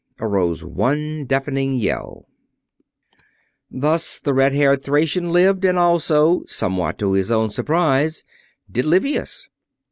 arose one deafening yell. Thus the red haired Thracian lived; and also, somewhat to his own surprise, did Livius.